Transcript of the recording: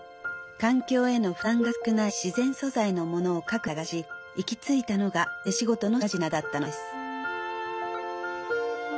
環境への負担が少ない自然素材のものを各地で探し行き着いたのが手しごとの品々だったのです。